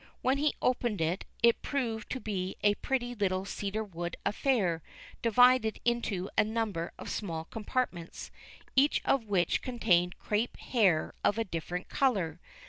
When he opened it, it proved to be a pretty little cedar wood affair divided into a number of small compartments, each of which contained crépe hair of a different color.